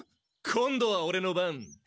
今度はオレの番。